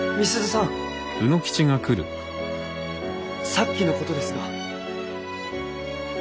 さっきのことですが。